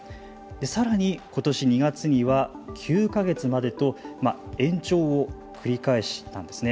さらにことし２月には９か月までと延長を繰り返したんですね。